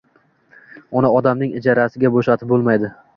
Uni “odamning jigariga” o‘xshatib bo‘lmaydi.